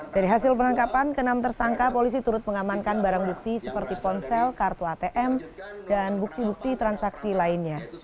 dari hasil penangkapan ke enam tersangka polisi turut mengamankan barang bukti seperti ponsel kartu atm dan bukti bukti transaksi lainnya